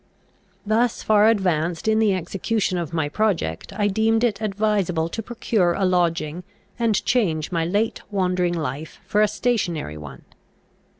Thus far advanced in the execution of my project. I deemed it advisable to procure a lodging, and change my late wandering life for a stationary one.